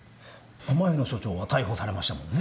前の署長は逮捕されましたもんね。